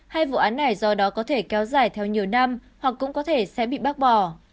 hai vụ án này do đó có thể kéo dài theo nhiều năm hoặc cũng có thể sẽ bị bác bỏ